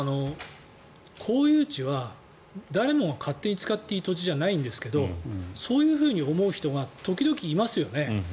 公有地は誰もが勝手に使っていい土地じゃないんですけどそういうふうに思う人が時々、いますよね。